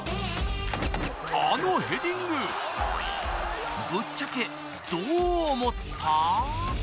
あのヘディング、ぶっちゃけどう思った？